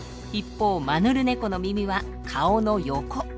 一方マヌルネコの耳は顔の横。